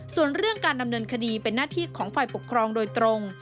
ส่วนเรื่องการดำเนินคดีเป็นหน้าที่ของฝ่ายปกครองโดยตรง